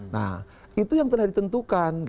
nah itu yang telah ditentukan